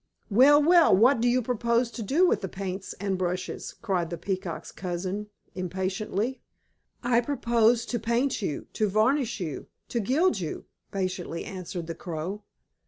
"Well, well! What do you propose to do with paints and brushes?" cried the Peacock's cousin impatiently. "I propose to paint you, to varnish you, to gild you," patiently answered the Crow.